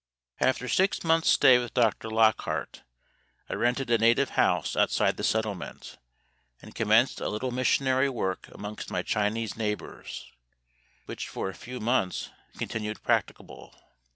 After six months' stay with Dr. Lockhart, I rented a native house outside the Settlement, and commenced a little missionary work amongst my Chinese neighbours, which for a few months continued practicable.